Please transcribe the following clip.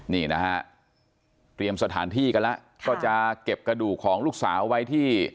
นี่นะฮะเตรียมสถานที่กันแล้วก็จะเก็บกระดูกของลูกสาวไว้ที่